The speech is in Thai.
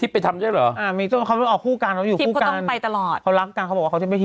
ไปตลอดคอยลับกันเขาบอกว่าเขาจะไม่ทีน้องส่งผมเมื่อกี้นี้